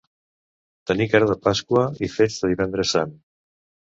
Tenir cara de Pasqua i fets de Divendres Sant.